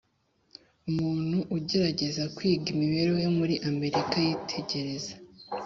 Umuntu ugerageza kwiga imibereho yo muri Amerika yitegereza